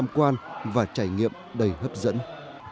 hẹn gặp lại các bạn trong những video tiếp theo